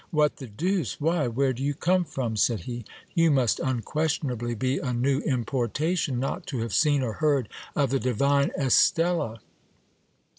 What the deuce ! Why, where do you come from ? said he. You must unquestionably be a new importation, not to have seen or heard of the divine Estella.